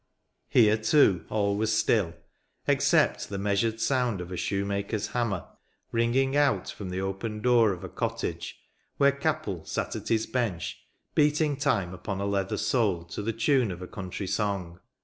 Here, too, all was still, except the measured sound of a shoemaker's hammer, ringing out from the open door of a cottage, where " Cappel" sat at his bench, beating time upon a leather sole, to the tune of a country song.